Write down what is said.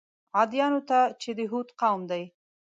عادیانو ته چې د هود قوم دی.